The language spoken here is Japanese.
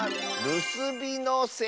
るすびのせ？